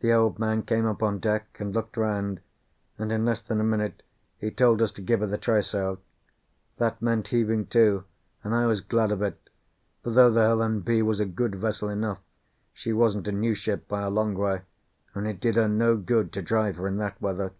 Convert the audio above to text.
The Old Man came up on deck and looked round, and in less than a minute he told us to give her the trysail. That meant heaving to, and I was glad of it; for though the Helen B. was a good vessel enough, she wasn't a new ship by a long way, and it did her no good to drive her in that weather.